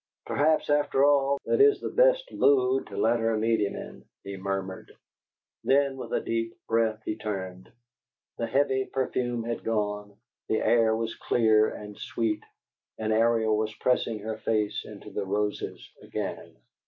"Perhaps, after all, that is the best mood to let her meet him in," he murmured. Then, with a deep breath, he turned. The heavy perfume had gone; the air was clear and sweet, and Ariel was pressing her face into the roses again.